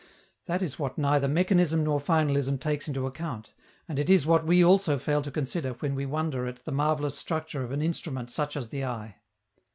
That is what neither mechanism nor finalism takes into account, and it is what we also fail to consider when we wonder at the marvelous structure of an instrument such as the eye.